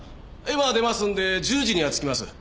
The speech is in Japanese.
今出ますんで１０時には着きます。